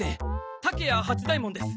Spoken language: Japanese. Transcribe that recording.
竹谷八左ヱ門です。